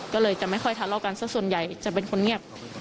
ก็เลยจะไม่ค่อยทะเลาะกันสักส่วนใหญ่จะเป็นคนเงียบ